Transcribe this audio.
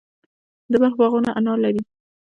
د بلخ باغونه انار لري.